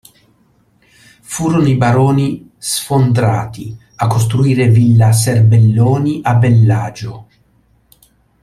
Furono i baroni Sfondrati a costruire villa Serbelloni a Bellagio.